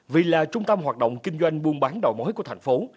vì là trung tâm hoạt động kinh doanh buôn bán đầu mối của thành phố